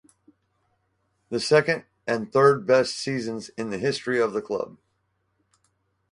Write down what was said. The second and third best seasons in the history of the club.